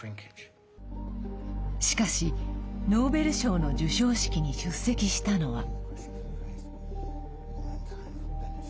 しかし、ノーベル賞の授賞式に出席したのは。